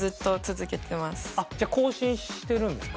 あっじゃあ更新してるんですか？